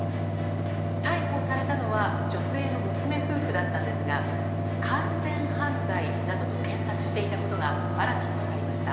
逮捕されたのは女性の娘夫婦だったんですが完全犯罪などと検索していたことが新たに分かりました。